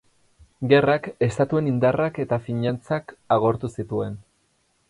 Gerrak estatuen indarrak eta finantzak agortu zituen.